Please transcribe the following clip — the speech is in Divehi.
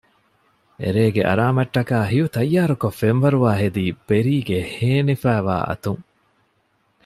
އެރޭގެ އަރާމަށް ޓަކައި ހިޔު ތައްޔާރުކޮށް ފެންވަރުވާ ހެދީ ބެރީ ގެ ހޭނިފައިވާ އަތުން